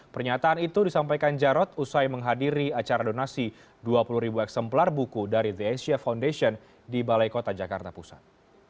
pernyataan itu disampaikan jarod usai menghadiri acara donasi dua puluh ribu eksemplar buku dari the asia foundation di balai kota jakarta pusat